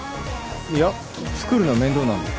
いや作るの面倒なんで。